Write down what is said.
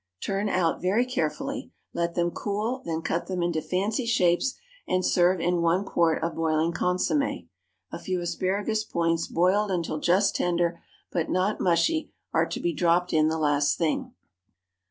Turn out very carefully; let them cool; then cut them into fancy shapes, and serve in one quart of boiling consommé. A few asparagus points boiled until just tender, but not mushy, are to be dropped in the last thing.